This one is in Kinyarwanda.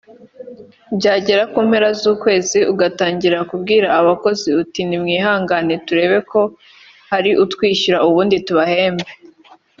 byagera ku mpera z’ukwezi ugatangira kubwira abakozi uti nimwihangane turebe ko hari uwatwishyura ubundi tubahembe